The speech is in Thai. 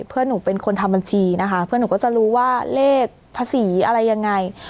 เพื่อนหนูเป็นคนทำบัญชีนะคะเพื่อนหนูก็จะรู้ว่าเลขภาษีอะไรยังไง